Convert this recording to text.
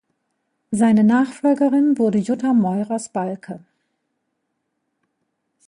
Seine Nachfolgerin wurde Jutta Meurers-Balke.